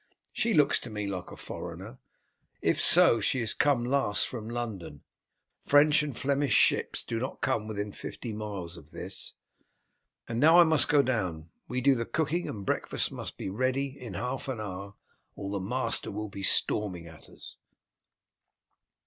She looks to me like a foreigner. If so, she has come last from London. French and Flemish ships do not come within fifty miles of this. And now I must go down. We do the cooking, and breakfast must be ready in half an hour, or the master will be storming at us."